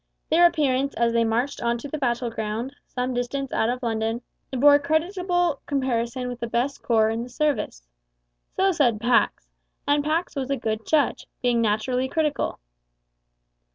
Their appearance as they marched on to the battle ground some distance out of London bore creditable comparison with the best corps in the service. So said Pax; and Pax was a good judge, being naturally critical.